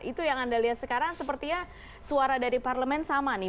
itu yang anda lihat sekarang sepertinya suara dari parlemen sama nih